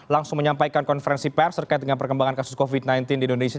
langsung menyampaikan konferensi pers terkait dengan perkembangan kasus covid sembilan belas di indonesia